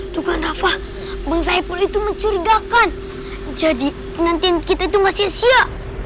tuh kan rafa bang saipul itu mencurigakan jadi nanti kita itu masih sia